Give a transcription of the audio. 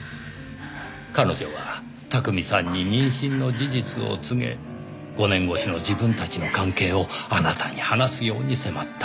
彼女は巧さんに妊娠の事実を告げ５年越しの自分たちの関係をあなたに話すように迫った。